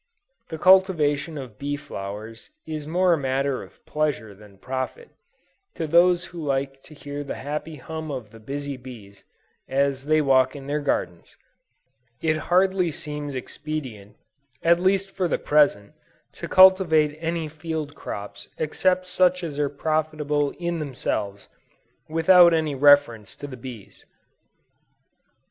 The cultivation of bee flowers is more a matter of pleasure than profit, to those who like to hear the happy hum of the busy bees, as they walk in their gardens. It hardly seems expedient, at least for the present, to cultivate any field crops except such as are profitable in themselves, without any reference to the bees.